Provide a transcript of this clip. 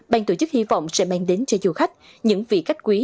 ban tổ chức hy vọng sẽ mang đến cho du khách những vị khách quý